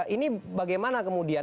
ini bagaimana kemudian